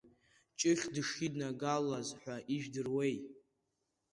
Ҷыӷь дышиднагалаз ҳәа ижәдыруеи?